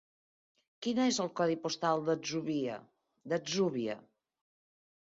Quin és el codi postal de l'Atzúbia?